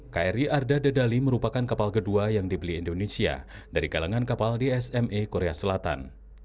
kri arda dedali merupakan kapal kedua yang dibeli indonesia dari kalangan kapal dsme korea selatan